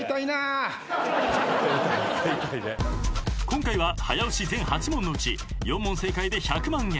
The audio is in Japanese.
今回は早押し全８問のうち４問正解で１００万円。